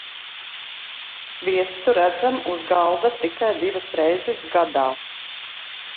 Sviestu redzam uz galda tikai divas reizes gadā.